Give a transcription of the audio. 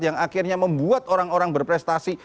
yang akhirnya membuat orang orang berprestasi